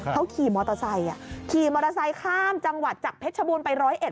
เขาขี่มอเตอร์ไซค์ขี่มอเตอร์ไซค์ข้ามจังหวัดจากเพชรชบูรณไปร้อยเอ็